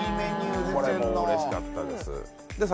これもうれしかったです。